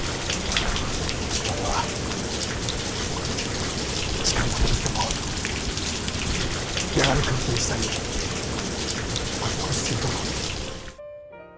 きっと俺は時間が戻っても八神君っていう資産にまた投資すると思う。